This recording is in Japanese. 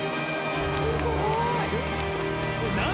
すごい！何？